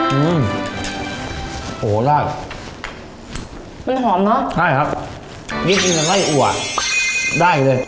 โหได้มันหอมเนอะใช่ครับนี่กินกับไล่อั่วได้เลย